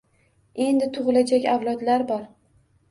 Endi tug‘ilajak avlodlar bor.